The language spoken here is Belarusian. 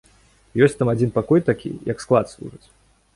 Ёсць там адзін пакой такі, як склад служыць.